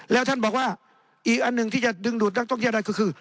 แล้วท่านบอกว่าอีกอันหนึ่งที่จะดึงดูดนักท่องเที่ยวได้ก็คือ